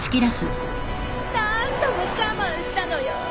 何度も我慢したのよ！